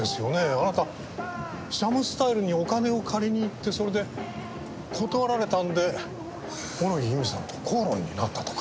あなたシャムスタイルにお金を借りに行ってそれで断られたんで小野木由美さんと口論になったとか。